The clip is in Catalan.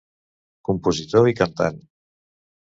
Compositor i cantant.